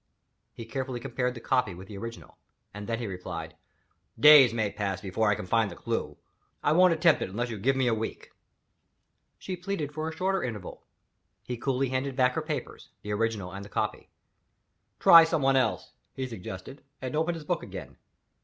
He carefully compared the copy with the original and then he replied: "Days may pass before I can find the clew; I won't attempt it unless you give me a week." She pleaded for a shorter interval. He coolly handed back her papers; the original and the copy. "Try somebody else," he suggested and opened his book again. Mrs.